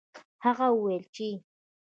هغه وویل چې